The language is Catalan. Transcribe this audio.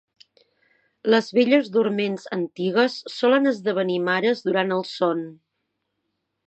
Les belles dorments antigues solen esdevenir mares durant el son.